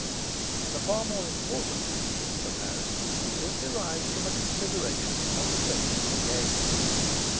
A far more important feature of comparison is derived from a consideration of the question of gauge.